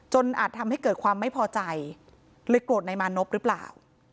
อาจทำให้เกิดความไม่พอใจเลยโกรธนายมานพหรือเปล่า